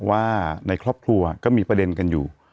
ว่าในครอบครัวก็มีประเด็นกันอยู่